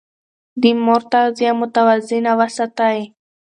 د مور تغذيه متوازنه وساتئ.